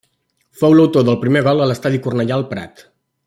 Fou l'autor del primer gol a l'Estadi Cornellà-El Prat.